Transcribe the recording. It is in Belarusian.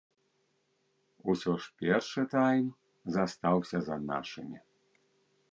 Усё ж першы тайм застаўся за нашымі.